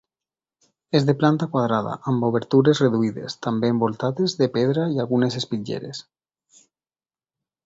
És de planta quadrada amb obertures reduïdes, també envoltades de pedra i algunes espitlleres.